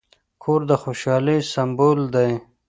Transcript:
کور د خوشحالۍ سمبول دی.